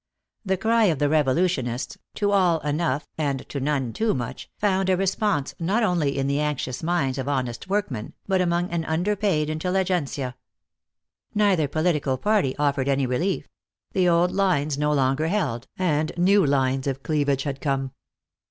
The cry of the revolutionists, to all enough and to none too much, found a response not only in the anxious minds of honest workmen, but among an underpaid intelligentsia. Neither political party offered any relief; the old lines no longer held, and new lines of cleavage had come.